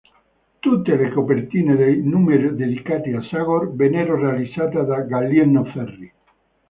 Tutte le copertine dei numeri dedicati a Zagor vennero realizzate da Gallieno Ferri.